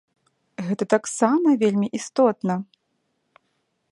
Гэта таксама вельмі істотна.